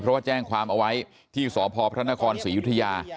เพราะว่าแจ้งความเอาไว้ที่สพพระนครศรียุธยา